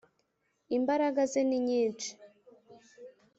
Imbaraga ze ni nyishi.